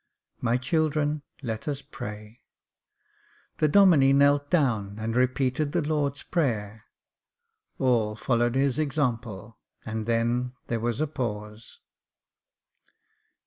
— My children, let us pray." The Domine knelt down, and repeated the Lord's prayer; all followed his example, and then there was a pause.